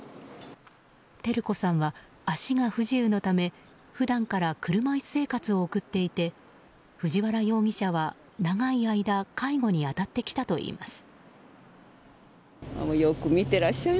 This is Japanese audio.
照子さんは足が不自由のため普段から車椅子生活を送っていて藤原容疑者は長い間介護に当たってきたといいます。